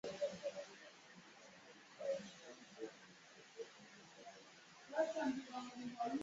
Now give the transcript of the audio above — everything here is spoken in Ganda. Abadde ng'agitegeeza nga bw'ayagala kkooti emuyise mu mitendera gy'alina okugoberera